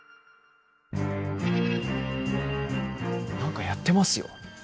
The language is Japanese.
何かやってますよ。